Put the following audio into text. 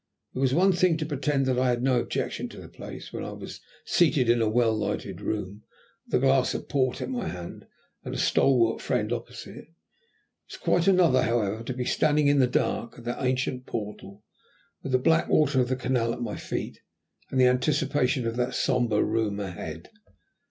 It was one thing to pretend that I had no objection to the place when I was seated in a well lighted room, with a glass of port at my hand, and a stalwart friend opposite; it was quite another, however, to be standing in the dark at that ancient portal, with the black water of the canal at my feet and the anticipation of that sombre room ahead.